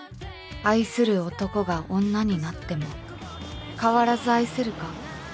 愛する男が女になっても変わらず愛せるか？